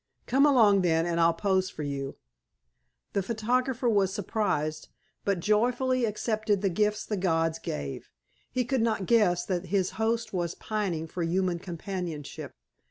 "Come along, then, and I'll pose for you." The photographer was surprised, but joyfully accepted the gifts the gods gave. He could not guess that his host was pining for human companionship.